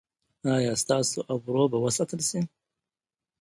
ایا ستاسو ابرو به وساتل شي؟